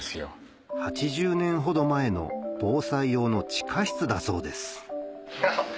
８０年ほど前の防災用の地下室だそうですハハっ